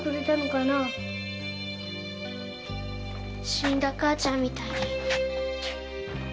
死んだ母ちゃんみたいに。